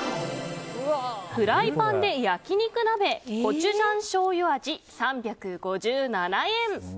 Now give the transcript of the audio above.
フライパンで焼肉鍋コチュジャン醤油味、３５７円。